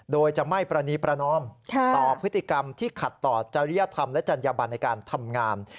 โดยจะไม่ปรณีประนอมต่อพฤติกรรมที่ขัดต่อจริยธรรมและจัญญบันในการทำงาน